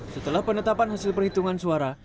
setelah penetapan hasil perhitungan suara